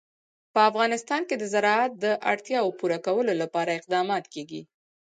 په افغانستان کې د زراعت د اړتیاوو پوره کولو لپاره اقدامات کېږي.